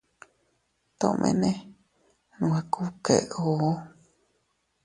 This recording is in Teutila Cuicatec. Tomene nwe kubkéʼuu.